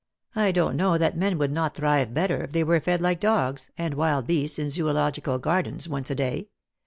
I don't know that men would not thrive better if they were fed like dogs, and wild beasts in Zoological Gardens, once a day.